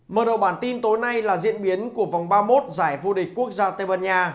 mở đầu bản tin tối nay là diễn biến của vòng ba mươi một giải vô địch quốc gia tây ban nha